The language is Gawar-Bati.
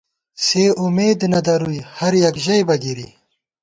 سِے امېد نہ درُوئی ہر یَک ژَئیبہ گِرِی